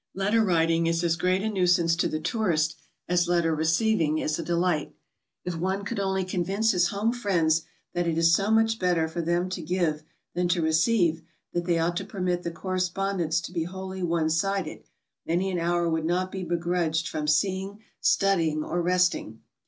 Letter writing is as great a nuisance to the tourist as letter receiving is a delight. If one could only convince his home friends that it is so much better for them to give than to receive, that they ought to permit the correspondence to be wholly one sided, many an hour would no«t be begrudged from seeing, studying, or resting.